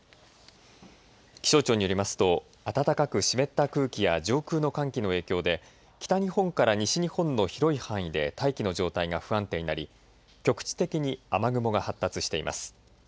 気象庁によりますと暖かく湿った空気や上空の寒気の影響で北日本から西日本の広い範囲で大気の状態が不安定になり局地的に雨雲が発達しています。